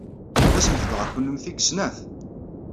Asemt-d ɣer kennemti deg snat.